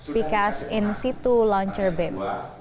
dikas di situ launcher bim